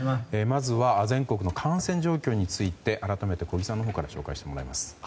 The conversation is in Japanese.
まずは全国の感染状況について改めて小木さんのほうから紹介してもらいます。